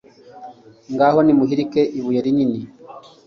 ngaho nimuhirike ibuye rinini